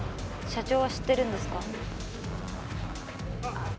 社長は知ってるんですか？